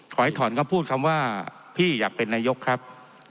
ถอยถอนก็พูดคำว่าพี่อยากเป็นนายกครับ